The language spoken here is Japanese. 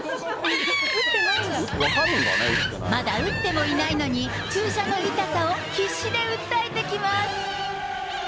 まだ打ってもいないのに、注射の痛さを必死で訴えてきます。